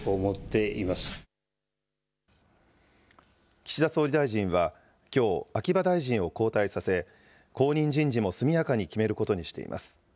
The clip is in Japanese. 岸田総理大臣はきょう、秋葉大臣を交代させ、後任人事も速やかに決めることにしています。